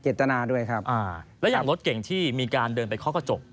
และอย่างรถเก่งที่มีการเดินไปเคาะกระจก